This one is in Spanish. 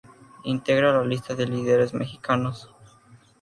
Integra la lista de Líderes Mexicanos.